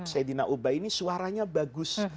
sayyidina ubai ini suaranya bagus